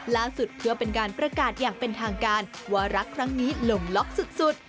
เพื่อเป็นการประกาศอย่างเป็นทางการว่ารักครั้งนี้ลงล็อกสุด